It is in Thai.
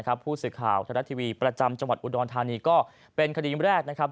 นะครับผู้ศึกภาพชนรัฐทีวีประจำจำวัดอุดรธณีก็เป็นคดีแรกนะครับ